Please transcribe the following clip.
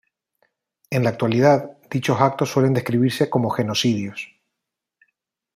En la actualidad, dichos actos suelen describirse como genocidios.